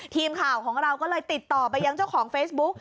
ทีมข่าวของเราก็เลยติดต่อไปยังเจ้าของเฟซบุ๊ก